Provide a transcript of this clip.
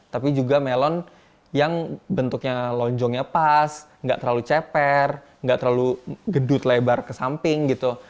tapi juga melon yang bentuknya lonjongnya pas nggak terlalu ceper nggak terlalu gedut lebar ke samping gitu